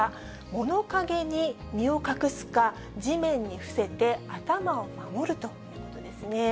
物陰に身を隠すか、地面に伏せて頭を守るということですね。